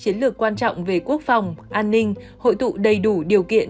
chiến lược quan trọng về quốc phòng an ninh hội tụ đầy đủ điều kiện